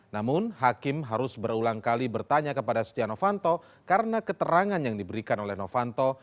namun hakim harus berulang kali bertanya kepada stianofanto karena keterangan yang diberikan oleh stianofanto